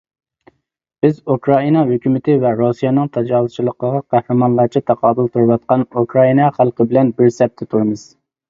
بىز ئۇكرائىنا ھۆكۈمىتى ۋە رۇسىيەنىڭ تاجاۋۇزچىلىقىغا قەھرىمانلارچە تاقابىل تۇرۇۋاتقان ئۇكرائىنا خەلقى بىلەن بىر سەپتە تۇرىمىز.